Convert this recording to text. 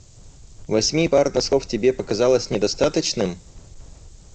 Восьми пар носков тебе показалось недостаточным?